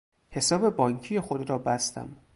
حساب بانکی خود را بستم.